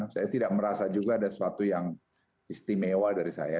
saya tidak merasa juga ada sesuatu yang istimewa dari saya